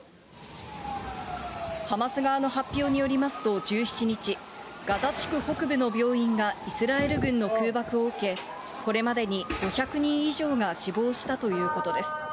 ハマス側の発表によりますと、１７日、ガザ地区北部の病院がイスラエル軍の空爆を受け、これまでに５００人以上が死亡したということです。